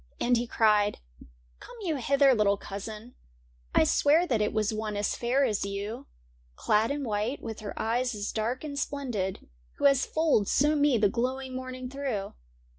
And he cried, * Come you hither, little cousin, I swear that it was one as fair as you, Clad in white, with her eyes as dark and splendid. Who has fooled so me the glowing morning through.